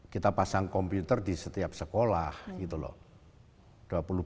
kita pasang komputer di setiap sekolah gitu loh